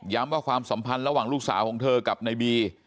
ว่าความสัมพันธ์ระหว่างลูกสาวของเธอกับในบี